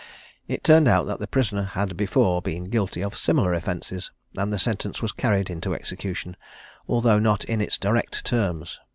It turned out that the prisoner had before been guilty of similar offences, and the sentence was carried into execution, although not in its direct terms.